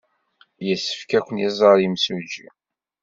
Yessefk ad ken-iẓer yemsujji.